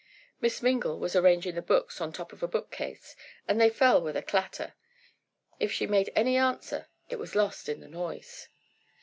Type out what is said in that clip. Miss Mingle was arranging the books on top of a bookcase and they fell with a clatter. If she made any answer, it was lost in the noise.